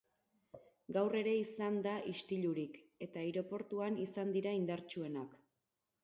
Gaur ere izan da istilurik, eta aireportuan izan dira indartsuenak.